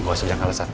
gue sudah gak alasan